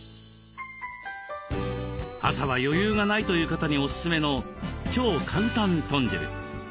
朝は余裕がないという方にオススメの超簡単豚汁。